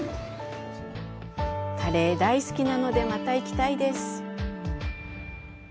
カレー大好きなので、また行きたいです。